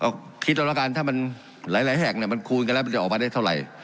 เอาคิดเอาละกันถ้ามันหลายแห่งมันคูณกันแล้วมันจะออกมาได้เท่าไหร่